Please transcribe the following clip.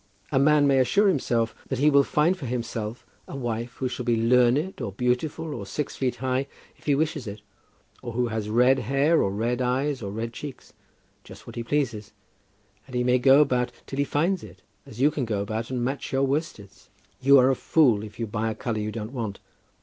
A man may assure himself that he will find for himself a wife who shall be learned, or beautiful, or six feet high, if he wishes it, or who has red hair, or red eyes, or red cheeks, just what he pleases; and he may go about till he finds it, as you can go about and match your worsteds. You are a fool if you buy a colour you don't want.